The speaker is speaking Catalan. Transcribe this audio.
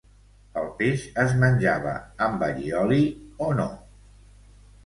el peix es menjava amb allioli o no